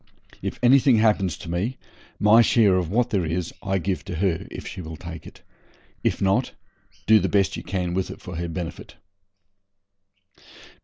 If anything happens to me my share of what there is I give to her, if she will take it. If not, do the best you can with it for her benefit.'